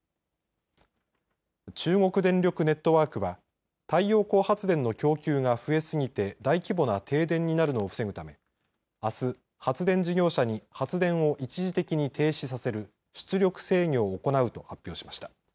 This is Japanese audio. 中国電力ネットワークは太陽光発電の供給が増えすぎて大規模な停電になるのを防ぐためあす、発電事業者に発電を一時的に停止させる出力制御を行うと発表しました。